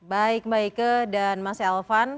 baik baike dan mas elvan